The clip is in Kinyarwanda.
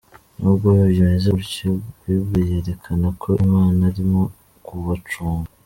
Nubwo bimeze gutyo, bible yerekana ko imana irimo kubacunga.